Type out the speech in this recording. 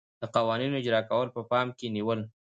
د قوانینو اجرا کول په پام کې نیول.